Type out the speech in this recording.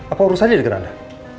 apa urusan ini dengan anda